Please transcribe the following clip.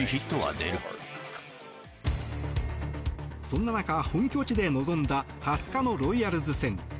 そんな中、本拠地で臨んだ２０日のロイヤルズ戦。